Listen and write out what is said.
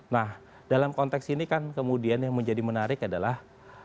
nah dalam konteks ini kan kemudian yang menjadi menarik adalah